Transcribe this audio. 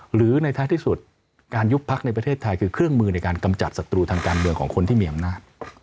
หรือในท้ายที่สุดการยุบพักในประเทศไทยคือเครื่องมือในการกำจัดศัตรูทางการเมืองของคนที่มีอำนาจ